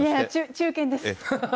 中堅です。